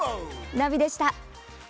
ナビでした。